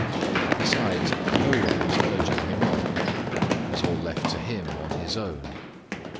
Besides, no one was urging him on. It was all left to him on his own.